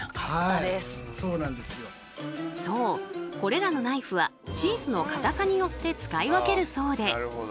そうこれらのナイフはチーズの硬さによって使い分けるそうで。